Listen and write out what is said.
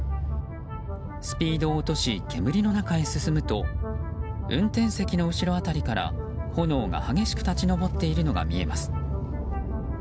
スピードを落とし煙の中へ進むと運転席の後ろ辺りから炎が激しく立ち上っているのが見えます。